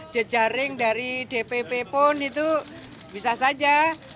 jejaring dari dpp pun itu bisa saja